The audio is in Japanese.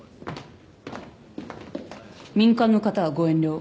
民間の方はご遠慮を。